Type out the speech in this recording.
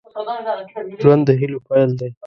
ژوند د هيلو پيل دی.